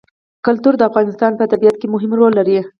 کلتور د افغانستان په طبیعت کې مهم رول لري.